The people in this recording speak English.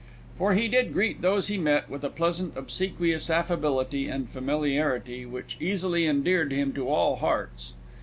For he did greet those he met with a pleasant, obsequious affability and familiarity, which easily endeared him to all hearts.